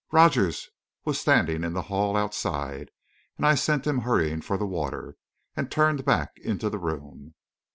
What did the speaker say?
Rogers was standing in the hall outside, and I sent him hurrying for the water, and turned back into the room.